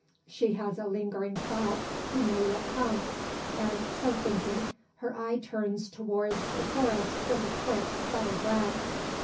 She has a lingering thought he may yet come; and, so thinking, her eye turns towards the forest with a quick, subtle glance.